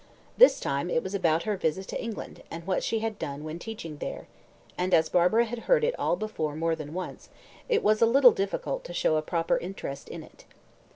This time, it was about her visit to England and what she had done when teaching there; and, as Barbara had heard it all before more than once, it was a little difficult to show a proper interest in it.